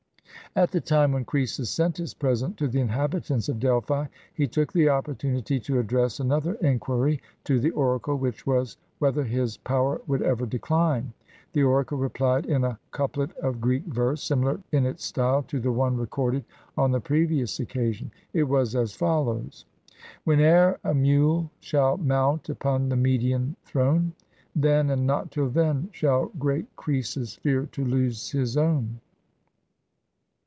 At the time when Croesus sent his present to the in habitants of Delphi, he took the opportunity to address another inquiry to the oracle, which was, whether his power would ever decline. The oracle replied in a coup let of Greek verse, similar in its style to the one recorded on the previous occasion. It was as follows: — "Whene'er a mule shall mount upon the Median throne, Then, and not till then, shall great Croesus fear to lose his own."